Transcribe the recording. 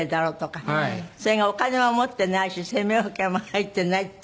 それがお金は持ってないし生命保険も入ってないって。